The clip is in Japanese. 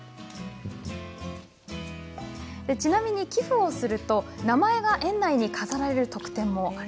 ちなみに寄付をすると名前が園内に飾られる特典も。